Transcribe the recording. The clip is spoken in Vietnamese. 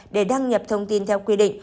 để đăng nhập thông tin theo quy định